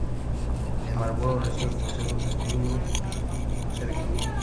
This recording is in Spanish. En Marlboro recibe consejos de Rudolf Serkin.